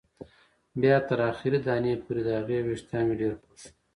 بیا تر اخري دانې پورې، د هغې وېښتان مې ډېر خوښ وو.